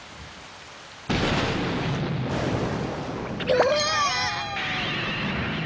うわ！